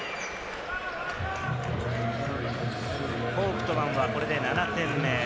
フォウクトマンはこれで７点目。